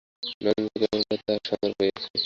নরেন্দ্র কেমন করিয়া তাহার সন্ধান পাইয়াছে।